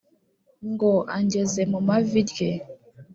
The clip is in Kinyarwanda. ngo angeze mumavi rye